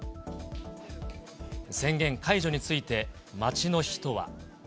宣言解除について、街の人は。